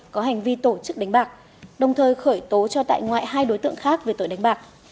có hành vi tổ chức đánh bạc đồng thời khởi tố cho tại ngoại hai đối tượng khác về tội đánh bạc